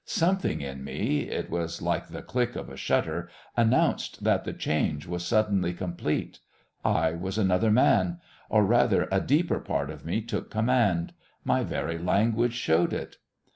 Something in me it was like the click of a shutter announced that the "change" was suddenly complete. I was another man; or rather a deeper part of me took command. My very language showed it.